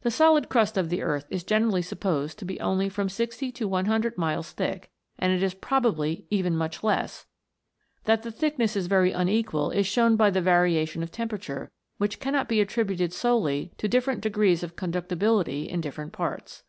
The solid crust of the earth is generally supposed to be only from 60 to 100 miles thick; and it is probably even much less ; that the thickness is very unequal is shown by the variation of temperature, which cannot be attributed solely to different degrees of conductibility in different parts.